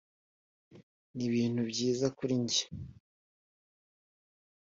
nibintu byiza kuri njye.